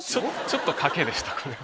ちょっと賭けでした